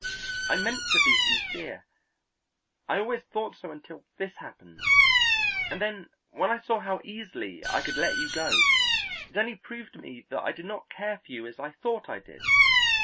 I meant to be sincere; I always thought so until this happened, and then when I saw how easily I could let you go, it only proved to me that I did not care for you as I thought I did.